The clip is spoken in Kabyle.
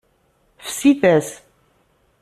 Fsit-as.